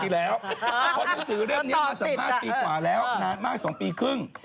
เพราะหนังสือเรื่องนี้มาสัมภาษณ์ปีกว่าแล้วนานมาก๒ปีครึ่ง